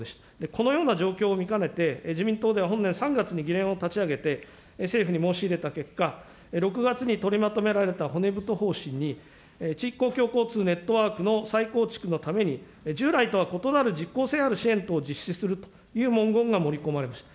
このような状況を見かねて、自民党では本年３月に議連を立ち上げて、政府に申し入れた結果、６月に取りまとめられた骨太方針に、地域公共交通ネットワークの再構築のために、従来とは異なる実効性ある支援等を実施するという文言が盛り込まれました。